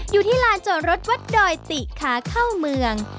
อยู่ที่ลานจอดรถวัดดอยติขาเข้าเมือง